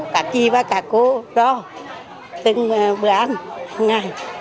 cả chị và cả cô cho từng bữa ăn ngày